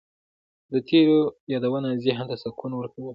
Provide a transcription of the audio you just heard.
د تېرو یادونه ذهن ته سکون ورکوي.